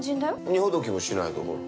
荷ほどきもしないとほら。